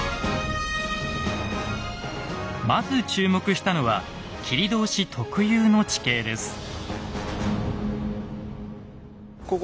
まず注目したのは切通特有の地形です。